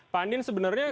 pak andin sebenarnya